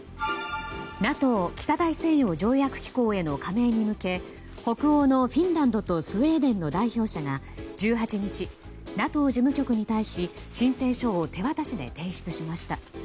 ＮＡＴＯ・北大西洋条約機構への加盟に向け北欧のフィンランドとスウェーデンの代表者が１８日、ＮＡＴＯ事務局に対し申請書を手渡しで提出しました。